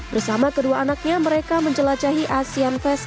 bersama kedua anaknya mereka menjelajahi asian fest